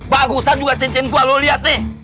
bagusan juga cincin gue lo liat nih